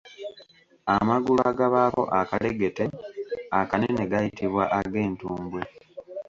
Amagulu akabaako akalegete akanene gayitibwa ag’entumbwe.